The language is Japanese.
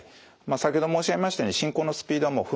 先ほど申し上げましたように進行のスピードはもう分単位です。